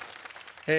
え